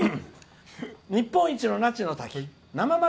「日本一の那智の滝